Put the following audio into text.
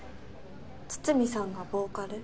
筒見さんがボーカル？